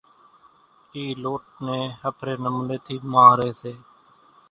اِي لوٽ نين ۿڦري نموني ٿي مانۿري سي